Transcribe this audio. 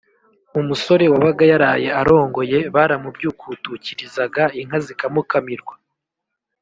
umusore wabaga yaraye arongoye baramubyukutukirizaga, inka zikamukamirwa.